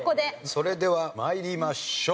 それでは参りましょう。